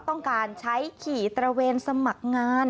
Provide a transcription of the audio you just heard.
ต้องการใช้ขี่ตระเวนสมัครงาน